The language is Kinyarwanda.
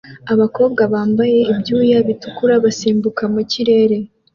Abakobwa bambaye ibyuya bitukura basimbuka mu kirere